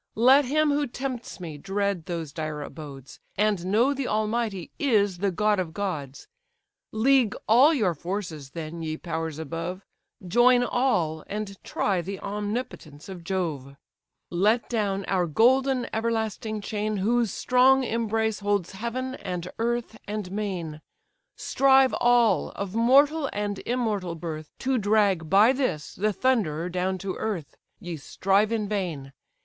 Let him who tempts me, dread those dire abodes: And know, the Almighty is the god of gods. League all your forces, then, ye powers above, Join all, and try the omnipotence of Jove. Let down our golden everlasting chain Whose strong embrace holds heaven, and earth, and main Strive all, of mortal and immortal birth, To drag, by this, the Thunderer down to earth: Ye strive in vain!